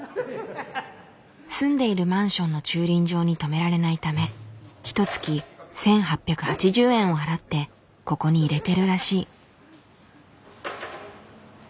住んでいるマンションの駐輪場にとめられないためひとつき１，８８０円を払ってここに入れてるらしい。